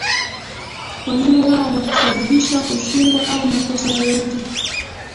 kwa neno lao wakisababisha kushindwa au makosa yoyote